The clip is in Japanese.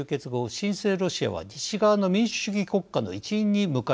新生ロシアは西側の民主主義国家の一員に迎え入れられました。